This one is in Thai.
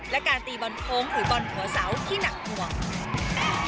และการตีบอลโค้งหรือบอลหัวเสาที่หนักห่วง